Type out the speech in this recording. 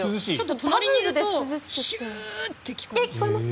隣にいるとシューッて聞こえる。